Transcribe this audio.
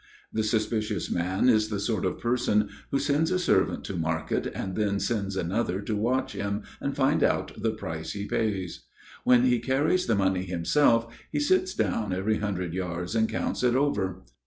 The suspicious man is the sort of person who sends a servant to market and then sends another to watch him and find out the price he pays. When he carries the money himself, he sits down every hundred yards and counts it over.